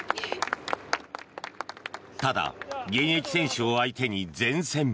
ただ、現役選手を相手に善戦。